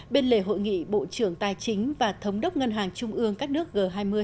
bên lề hội nghị bộ trưởng tài chính và thống đốc ngân hàng trung ương các nước g hai mươi